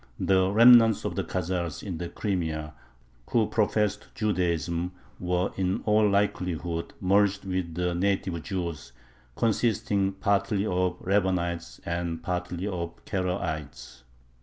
The remnants of the Khazars in the Crimea who professed Judaism were in all likelihood merged with the native Jews, consisting partly of Rabbanites and partly of Karaites.